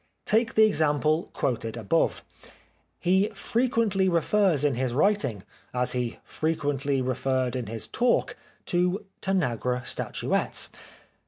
Take the example quoted above. He frequently refers in his writings, as he frequently referred in his talk, to Tanagra statuettes.